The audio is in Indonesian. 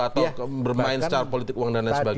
atau bermain secara politik uang dana dan sebagainya